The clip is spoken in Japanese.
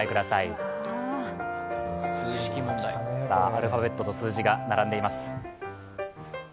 アルファベットと数字が並んでいます。